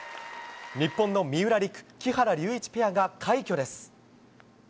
日本の三浦璃来、木原龍一ペアが快挙です。